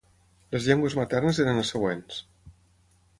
Les llengües maternes eren les següents.